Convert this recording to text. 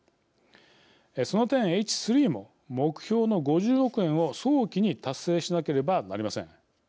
その点、Ｈ３も目標の５０億円を早期に達成しなければなりません。